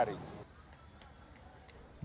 akan diadakan oleh jokowi dan jokowi